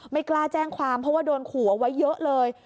ไม่กล้าแจ้งความเพราะว่าโดนขู่เอาไว้เยอะเลย